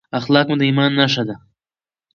اخلاق مو د ایمان نښه ده.